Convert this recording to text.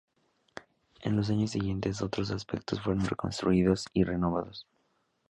En los años siguientes, otros aspectos fueron reconstruidos y renovados.